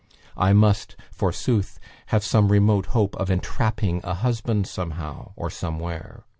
I must, forsooth, have some remote hope of entrapping a husband somehow, or somewhere.